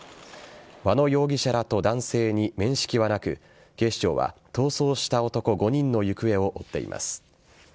和野容疑者らと男性に面識はなく警視庁は逃走した男５人の行方を追っています。